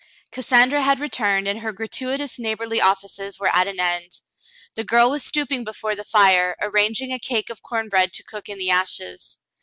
Cassandra had returned, and her gratuitous neighborly offices were at an end. The girl was stooping before the fire, arranging a cake of corn bread to cook in the ashes.